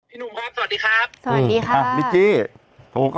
พี่หนุ่มครับสวัสดีครับ